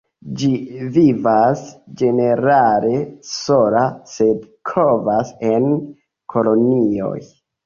Ĝi vivas ĝenerale sola, sed kovas en kolonioj.